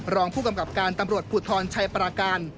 รองผู้กำกับการตำรวจภูทรชัยปราการ